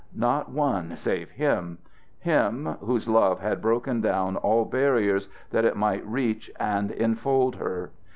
Not one save him him whose love had broken down all barriers that it might reach and infold her.